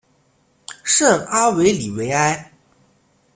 圣阿维里维埃。